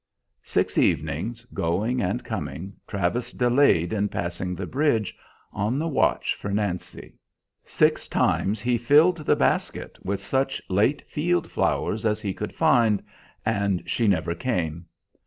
Six evenings, going and coming, Travis delayed in passing the bridge, on the watch for Nancy; six times he filled the basket with such late field flowers as he could find, and she never came.